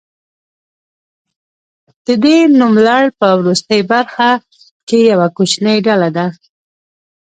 د دې نوملړ په وروستۍ برخه کې یوه کوچنۍ ډله ده.